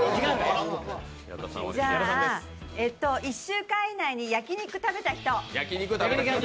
１週間以内に焼き肉を食べた人。